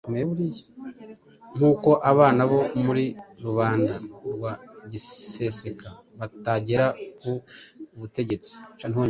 n'uko abana bo muri rubanda rwa giseseka batagera ku butegetsi.